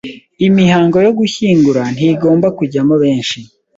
Imihango yo gushyingura ntigomba kujyamo benshi